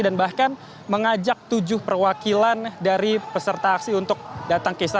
dan bahkan mengajak tujuh perwakilan dari peserta aksi untuk datang ke istana